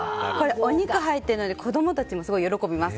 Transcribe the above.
お肉入っているので子供たちもすごい喜びます。